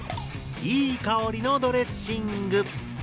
いい香りのドレッシング。